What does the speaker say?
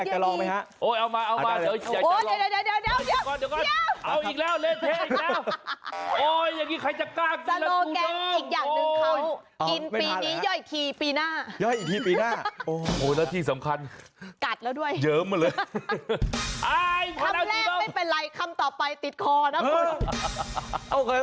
คำแรกไม่เป็นไรคำต่อไปติดคอนะคุณ